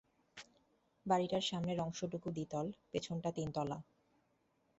বাড়িটার সামনের অংশটুকু দ্বিতল, পেছনটা তিনতলা।